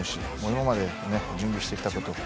今まで準備してきたことを。